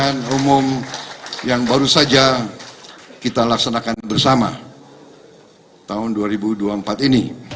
dan terima kasih atas umum yang baru saja kita laksanakan bersama tahun dua ribu dua puluh empat ini